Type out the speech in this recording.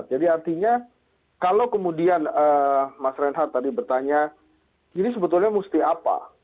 jadi artinya kalau kemudian mas reinhardt tadi bertanya ini sebetulnya mesti apa